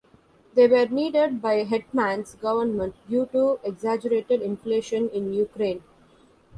They were needed by Hetman's Government due to exaggerated inflation in Ukraine.